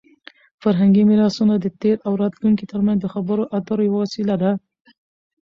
فرهنګي میراثونه د تېر او راتلونکي ترمنځ د خبرو اترو یوه وسیله ده.